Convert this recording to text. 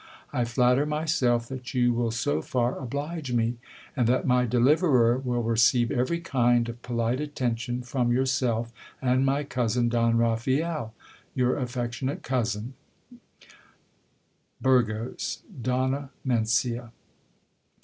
I flatter myself that you will so far oblige me, and that my deliverer will receive every kind of polite attention from yourself, and my cousin, Don Raphael. Your affectionate cousin, " Burgos. Donna Mencia.